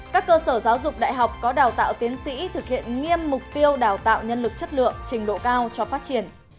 các cơ sở giáo dục đại học có đào tạo tiến sĩ thực hiện nghiêm mục tiêu đào tạo nhân lực chất lượng trình độ cao cho phát triển